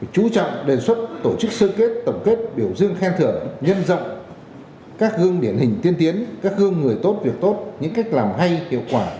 chú trọng đề xuất tổ chức sơ kết tổng kết biểu dương khen thưởng nhân rộng các gương điển hình tiên tiến các gương người tốt việc tốt những cách làm hay hiệu quả